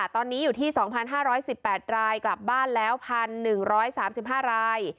ตอนนี้อยู่ที่๒๕๑๘รายกลับบ้านแล้ว๑๑๓๕ราย